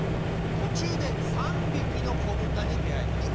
途中で３匹の子豚に出会いました」。